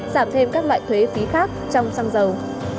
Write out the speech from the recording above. giảm thêm các loại thuế phí khác trong xăng dầu